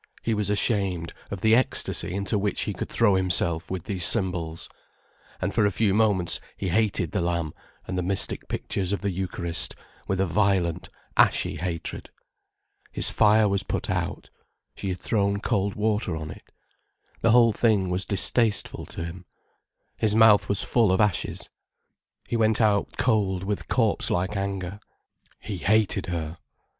He was ashamed of the ecstasy into which he could throw himself with these symbols. And for a few moments he hated the lamb and the mystic pictures of the Eucharist, with a violent, ashy hatred. His fire was put out, she had thrown cold water on it. The whole thing was distasteful to him, his mouth was full of ashes. He went out cold with corpse like anger, leaving her alone. He hated her.